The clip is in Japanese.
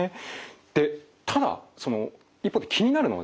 でただ一方で気になるのはですよ